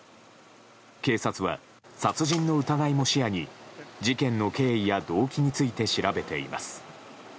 警察は殺人の疑いも視野に事件の経緯や動機について調べています。